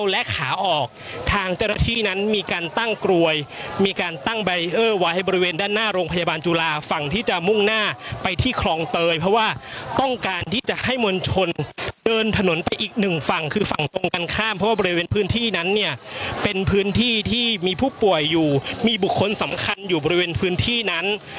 และขาออกทางเจ้าหน้าที่นั้นมีการตั้งกลวยมีการตั้งใบเออร์ไว้บริเวณด้านหน้าโรงพยาบาลจุฬาฝั่งที่จะมุ่งหน้าไปที่คลองเตยเพราะว่าต้องการที่จะให้มวลชนเดินถนนไปอีกหนึ่งฝั่งคือฝั่งตรงกันข้ามเพราะว่าบริเวณพื้นที่นั้นเนี่ยเป็นพื้นที่ที่มีผู้ป่วยอยู่มีบุคคลสำคัญอยู่บริเวณพื้นที่นั้น